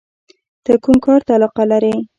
ته کوم کار ته علاقه لرې؟